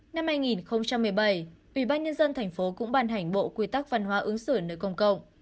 năm hai nghìn một mươi bảy ủy ban nhân dân thành phố cũng bàn hành bộ quy tắc văn hóa ứng xử nơi công cộng